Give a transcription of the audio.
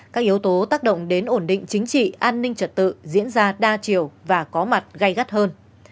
các yếu tố tác động đến ổn định chính trị an ninh trật tự diễn ra đa chiều và có mặt gây gắt hơn